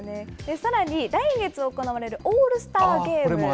さらに来月行われるオールスターゲーム。